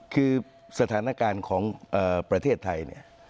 คือสถานการณ์ของประเทศไทย